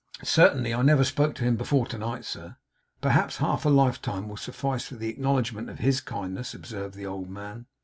'Certainly. I never spoke to him before to night, sir!' 'Perhaps half a lifetime will suffice for the acknowledgment of HIS kindness,' observed the old man.